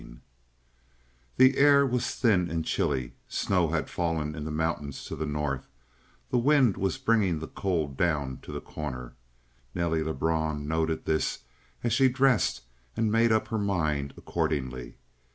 30 The air was thin and chilly; snow had fallen in the mountains to the north, and the wind was bringing the cold down to The Corner. Nelly Lebrun noted this as she dressed and made up her mind accordingly.